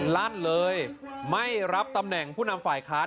ลั่นเลยไม่รับตำแหน่งผู้นำฝ่ายค้าน